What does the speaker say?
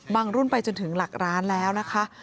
รุ่นไปจนถึงหลักร้านแล้วนะคะ